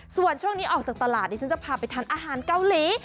ส่วนช่วงนี้ออกจากตลาดดิฉันจะพาไปทานอาหารเกาหลี